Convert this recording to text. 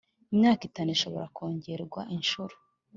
imyaka itanu ishobora kongerwa inshuro